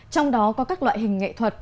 trong đó có các loại hình nghệ thuật